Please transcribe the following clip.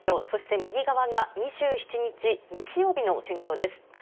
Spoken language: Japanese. そして右側が２７日日曜日の戦況です。